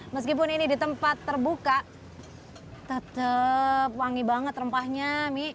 meskipun ini di tempat terbuka tetap wangi banget rempahnya mie